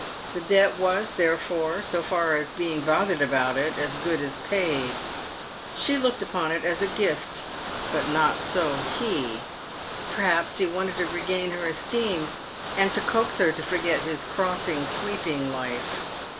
The debt was, therefore, so far as being bothered about it, as good as paid. She looked upon it as a gift, but not so he. Perhaps he wanted to regain" her esteem, and to coax her to forget his crossing sweeping life.